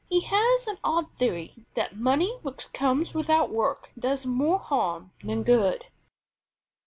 He has an odd theory that money which comes without work does more harm than good.